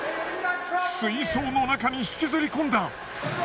水槽の中に引きずり込んだ。